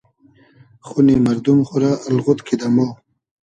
خونی مئردوم خو رۂ الغود کیدۂ مۉ